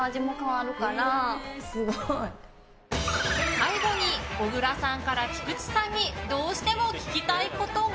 最後に小倉さんから菊地さんにどうしても聞きたいことが。